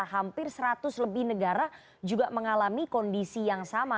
hampir seratus lebih negara juga mengalami kondisi yang sama